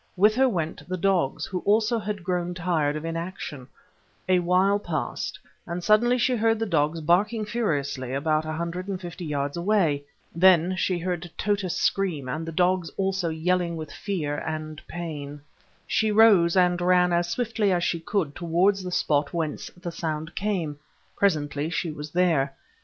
With her went the dogs, who also had grown tired of inaction; a while passed, and suddenly she heard the dogs barking furiously about a hundred and fifty yards away. Then she heard Tota scream, and the dogs also yelling with fear and pain. She rose and ran as swiftly as she could towards the spot whence the sound came. Presently she was there.